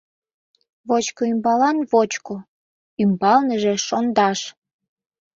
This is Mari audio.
ВОЧКО ӰМБАЛАН ВОЧКО, ӰМБАЛНЫЖЕ ШОНДАШ...